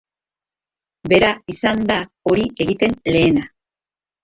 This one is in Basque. Bera izan da hori egiten lehena.